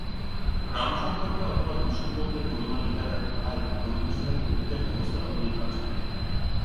গ্রামসম্পর্কে অথবা দূরসম্পর্কের মণিমালিকার এক ভাই ফণিভূষণের কুঠিতে গোমস্তার অধীনে কাজ করিত।